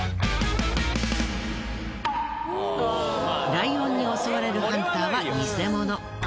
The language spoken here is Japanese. ライオンに襲われるハンターは偽物。